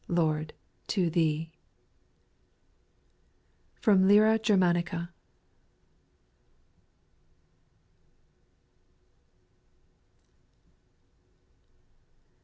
Lord, to Thee ! FROM LYRA OERMANICA.